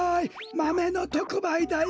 マメのとくばいだよ。